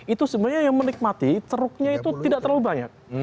itu sebenarnya yang menikmati ceruknya itu tidak terlalu banyak